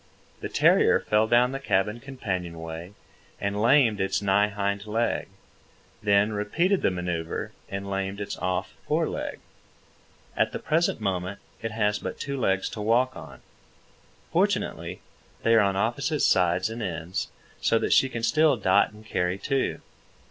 The terrier fell down the cabin companionway and lamed its nigh hind leg, then repeated the manœuvre and lamed its off fore leg. At the present moment it has but two legs to walk on. Fortunately, they are on opposite sides and ends, so that she can still dot and carry two.